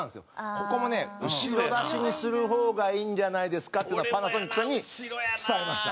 ここもね「後ろ出しにする方がいいんじゃないですか」っていうのはパナソニックさんに伝えました。